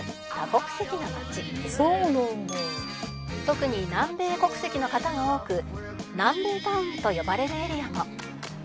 「特に南米国籍の方が多く南米タウンと呼ばれるエリアも」